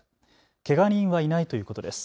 けが人はいないということです。